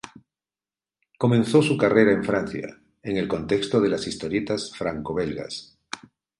Comenzó su carrera en Francia, en el contexto de las historietas franco-belgas.